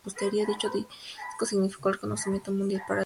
Dicho disco significó el reconocimiento mundial para la agrupación.